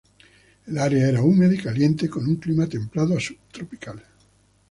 El área era húmeda y caliente con un clima templado a subtropical.